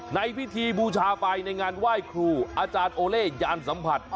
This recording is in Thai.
ในพิธีบูชาไปในงานไหว้ครูอาจารย์โอเล่ยานสัมผัส